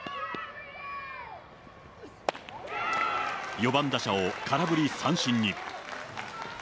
４番打者を空振り三振に。